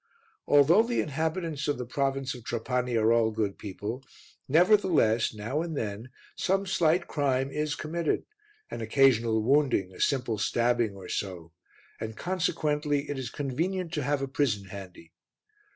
Although the inhabitants of the province of Trapani are all good people, nevertheless now and then some slight crime is committed, an occasional wounding, a simple stabbing or so, and consequently it is convenient to have a prison handy.